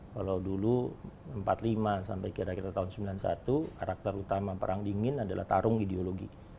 kalau dulu empat puluh lima sampai kira kira tahun seribu sembilan ratus sembilan puluh satu karakter utama perang dingin adalah tarung ideologi